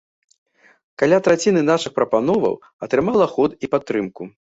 Каля траціны нашых прапановаў атрымала ход і падтрымку.